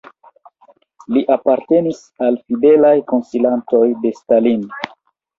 Li apartenis al fidelaj konsilantoj de Stalin.